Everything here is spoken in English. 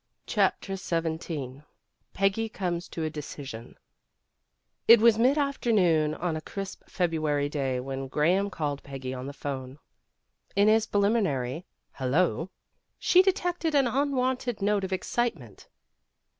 CHAPTER XVII PEGGY COMES TO A DECISION IT was mid afternoon on a crisp February day when Graham called Peggy on the phone. In his preliminary "Hello" she detected an unwonted note of excitement.